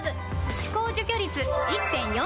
歯垢除去率 １．４ 倍！